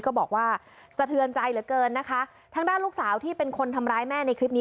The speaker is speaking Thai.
ก็บอกว่าสะเทือนใจเหลือเกินนะคะทางด้านลูกสาวที่เป็นคนทำร้ายแม่ในคลิปนี้